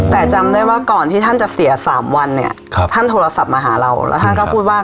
แต่จำได้ว่าก่อนที่ท่านจะเสีย๓วันเนี่ยท่านโทรศัพท์มาหาเราแล้วท่านก็พูดว่า